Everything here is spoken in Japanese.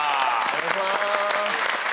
お願いします。